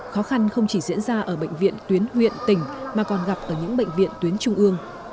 khó khăn không chỉ diễn ra ở bệnh viện tuyến huyện tỉnh mà còn gặp ở những bệnh viện tuyến trung ương